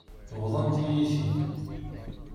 Bḍant-iyi-t-id.